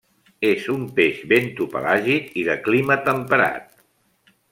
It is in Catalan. És un peix bentopelàgic i de clima temperat.